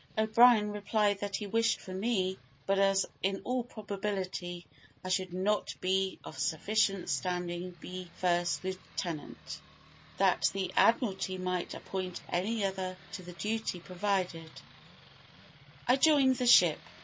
O'Brien replied that he wished for me; but as, in all probability, I should not be of sufficient standing to be first lieutenant, that the Admiralty might appoint any other to the duty, provided I joined the ship.